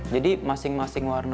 jadi masing masing warna